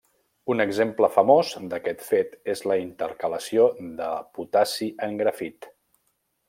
Un exemple famós d'aquest fet és la intercalació de potassi en grafit.